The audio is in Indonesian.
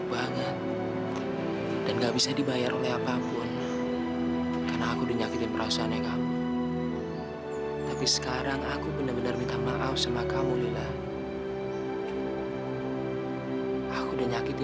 sampai jumpa di video selanjutnya